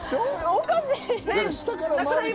おかしい。